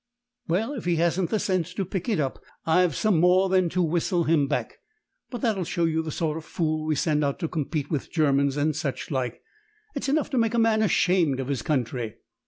"Well, if he hasn't the sense to pick it up, I've some more than to whistle him back. But that'll show you the sort of fool we send out to compete with Germans and suchlike. It's enough to make a man ashamed of his country."